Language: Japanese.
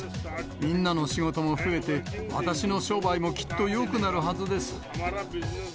みんなの仕事も増えて、私の商売もきっとよくなるはずです。